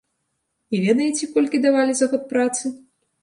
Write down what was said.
І ведаеце, колькі давалі за год працы?